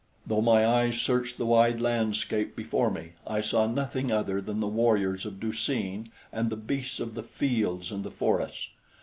Though my eyes searched the wide landscape before me, I saw nothing other than the warriors of Du seen and the beasts of the fields and the forests.